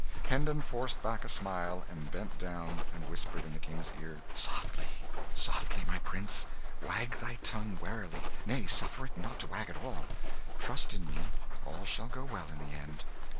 Hendon forced back a smile, and bent down and whispered in the King's ear "Softly, softly, my prince, wag thy tongue warily nay, suffer it not to wag at all. Trust in me all shall go well in the end."